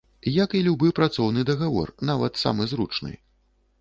Як і любы працоўны дагавор, нават самы зручны.